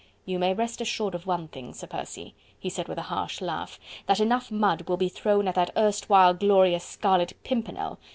"You may rest assured of one thing, Sir Percy," he said with a harsh laugh, "that enough mud will be thrown at that erstwhile glorious Scarlet Pimpernel...